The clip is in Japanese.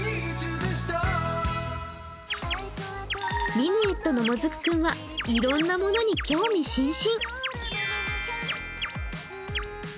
ミヌエットのもずく君はいろんなものに興味津々。